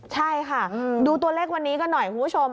ใช่ค่ะดูตัวเลขวันนี้กันหน่อยคุณผู้ชม